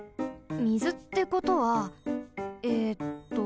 みずってことはえっと